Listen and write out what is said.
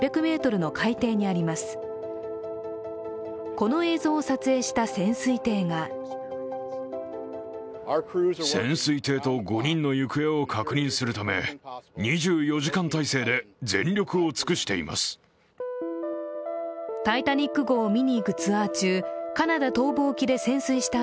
この映像を撮影した潜水艇が「タイタニック」号を見に行くツアー中、カナダ東部沖で潜水した